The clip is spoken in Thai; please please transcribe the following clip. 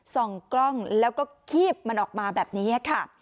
ส่องกล้องแล้วก็คีบมันออกมาแบบนี้ค่ะ